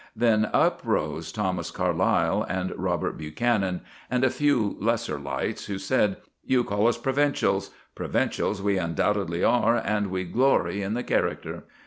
Then up rose Thomas Carlyle and Robert Buchanan and a few lesser lights, who said, "You call us provincials: provincials we undoubtedly are, and we glory in the character."